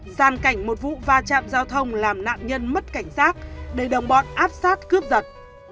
sàn cảnh một vụ va chạm giao thông làm nạn nhân mất cảnh giác để đồng bọn áp sát cướp giật